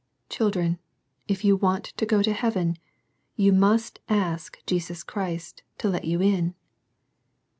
Children, if you want to go to heaven, you must ask Jesus Christ to let you in.